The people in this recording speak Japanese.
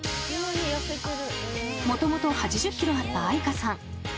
［もともと８０ｋｇあった愛花さん］